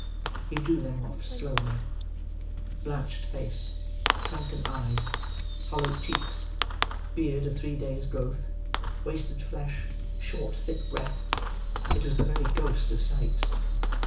He drew them slowly off. Blanched face, sunken eyes, hollow cheeks, beard of three days' growth, wasted flesh, short thick breath; it was the very ghost of Sikes.